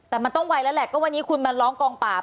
แต่มันต้องไวแล้วแหละก็วันนี้คุณมาร้องกองปราบ